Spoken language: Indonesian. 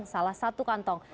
salah satu kantong